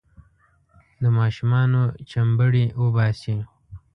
د ماشومانو چمبړې وباسي.